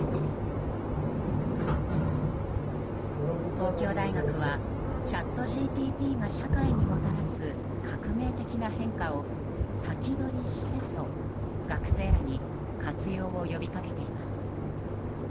東京大学はチャットＧＰＴが社会にもたらす革命的な変化を先取りしてと学生らに活用を呼びかけています。